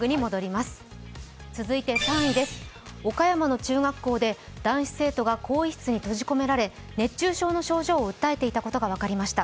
続いて３位です、岡山の中学校で男子生徒が更衣室に閉じ込められ、熱中症の症状を訴えていたことが分かりました。